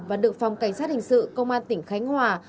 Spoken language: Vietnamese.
và được phòng cảnh sát hình sự công an tỉnh khánh hòa